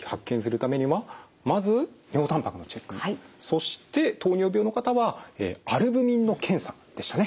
そして糖尿病の方はアルブミンの検査でしたね。